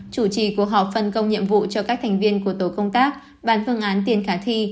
chủ trì cuộc họp phân công nhiệm vụ cho các thành viên của tổ công tác bàn phương án tiền khả thi